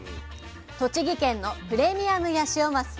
栃木県のプレミアムヤシオマス。